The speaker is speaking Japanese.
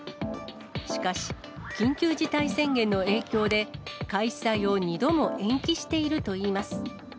しかし、緊急事態宣言の影響で、開催を２度も延期しているといいます。